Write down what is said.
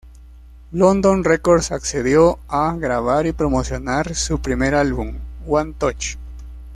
London Records accedió a grabar y promocionar su primer álbum, One Touch.